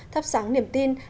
thắp sáng niềm tin